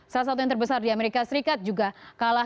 salah satu yang terbesar di amerika serikat juga kalah